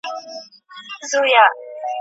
سکون مي ناکراره کي خیالونه تښتوي